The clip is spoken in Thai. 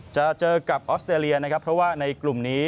จะเจอกับออสเตรเลียนะครับเพราะว่าในกลุ่มนี้